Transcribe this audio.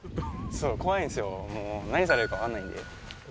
怖いんすよ、もう、何されるか分かんないんで。